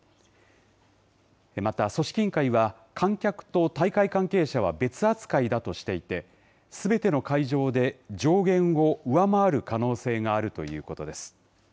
また組織委員会は、観客と大会関係者は別扱いだとしていて、すべての会場で上限を上回る可能性があるということです。